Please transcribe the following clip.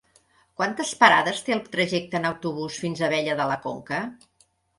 Quantes parades té el trajecte en autobús fins a Abella de la Conca?